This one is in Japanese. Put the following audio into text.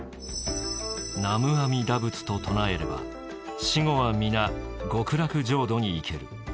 「南無阿弥陀仏と唱えれば死後は皆極楽浄土に行ける」。